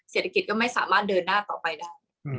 เศรษฐกิจก็ไม่สามารถเดินหน้าต่อไปได้